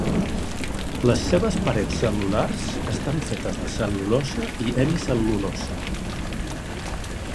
Les seves parets cel·lulars estan fetes de cel·lulosa i hemicel·lulosa.